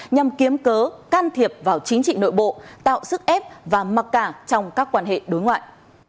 nhằm kiếm cớ can thiệp vào chính trị nội bộ tạo sức ép và mặc cả trong các quan hệ đối ngoại